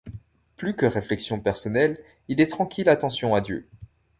Plus que réflexion personnelle, il est tranquille attention à Dieu.